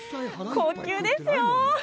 高級ですよ。